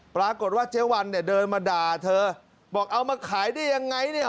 ปรากฏว่าเจ๊วันเนี่ยเดินมาด่าเธอบอกเอามาขายได้ยังไงเนี่ย